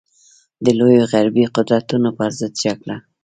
د لویو غربي قدرتونو پر ضد جګړه.